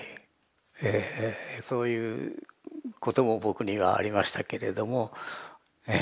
そういうことも僕にはありましたけれどもええ。